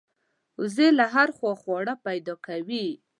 وزې له هرې خوا خواړه پیدا کوي